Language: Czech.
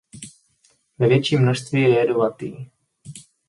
Ve větším množství je jedovatý.